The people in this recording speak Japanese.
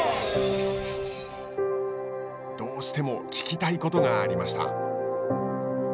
どうしても聞きたいことがありました。